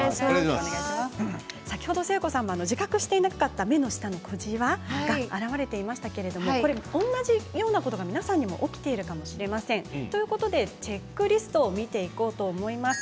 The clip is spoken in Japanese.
先ほど誠子さん、自覚していなかった目の下の小じわ現れていましたけれども同じようなこと、皆さんにも起きているかもしれませんということでチェックリストを見ていこうと思います。